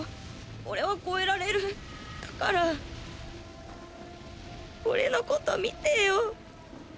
俺は超えられるだから俺のこと見てよ。